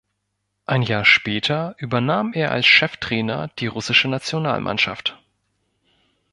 Ein Jahr später übernahm er als Cheftrainer die russische Nationalmannschaft.